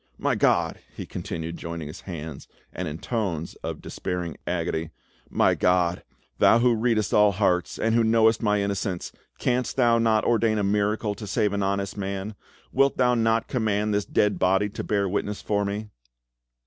My God!" he continued, joining his hands and in tones of despairing agony,—"my God, Thou who readest all hearts, and who knowest my innocence, canst Thou not ordain a miracle to save an honest man? Wilt Thou not command this dead body to bear witness for me?"